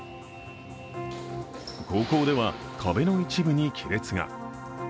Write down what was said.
高校では壁の一部に亀裂が。